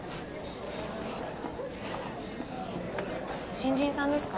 新人さんですか？